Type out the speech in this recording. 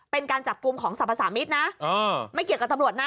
เป็นการจับกลุ่มของสรรพสามิตรนะไม่เกี่ยวกับตำรวจนะ